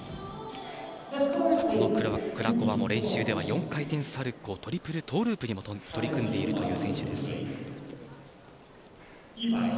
このクラコワも練習では４回転サルコウトリプルトウループにも取り組んでいるという選手。